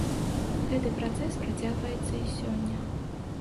Гэты працэс працягваецца і сёння.